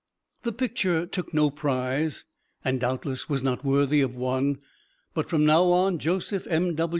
The picture took no prize, and doubtless was not worthy of one, but from now on Joseph M.